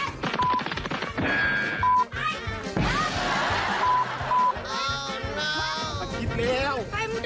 ขออันที่เบาดีหรือเปล่าเบามาก